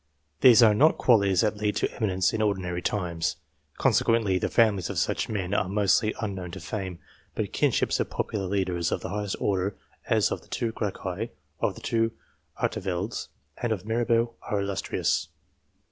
These are not qualities that lead to eminence in ordinary times. Consequently, the families of such men, are mostly un known to fame. But the kinships of popular leaders of the highest order, as of the two Gracchi, of the two Arteveldes, and of Mirabeau, are illustrious.